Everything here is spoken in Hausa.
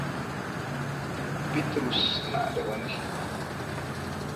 Bitrus na da wani shiri.